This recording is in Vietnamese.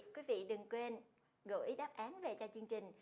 quý vị đừng quên gửi đáp án về cho chương trình